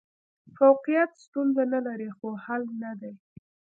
فوقیت ستونزه نه لري، خو حل نه دی.